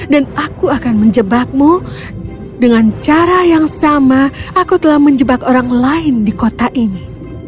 aku akan menjebakmu dengan cara yang sama aku telah menjebak orang lain di kota ini